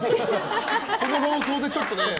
この論争でちょっとね